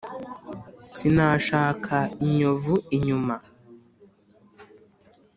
sinashaka inyovu inyuma.